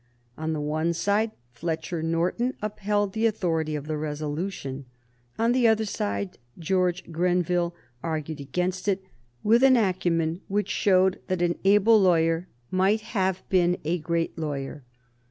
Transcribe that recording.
On the one side Fletcher Norton upheld the authority of the resolution. On the other side George Grenville argued against it with an acumen which showed that an able lawyer might have been a great lawyer.